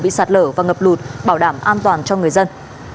bị sạt lở và ngập lụt bảo đảm an toàn cho người dân